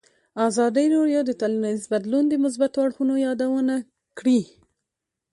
ازادي راډیو د ټولنیز بدلون د مثبتو اړخونو یادونه کړې.